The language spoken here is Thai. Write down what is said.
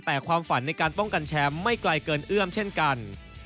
แต่ความฝันในการป้องกันแชมป์ไม่ไกลเกินเอื้อมเช่นกัน